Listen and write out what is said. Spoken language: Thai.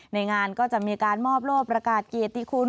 ในงานก็จะมีการมอบโลกประกาศเกียรติคุณ